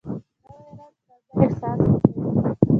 نوی رنګ تازه احساس ورکوي